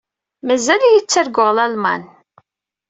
Mazal-iyi ttarguɣ Lalman.